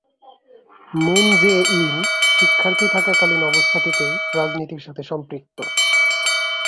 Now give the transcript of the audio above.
Moon Jae In শিক্ষার্থী থাকাকালীন অবস্থা থেকেই রাজনীতির সাথে সম্পৃক্ত।